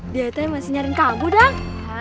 dia itu yang masih nyari kamu dang